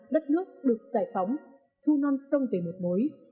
đất nước được giải phóng thu non sông về một mối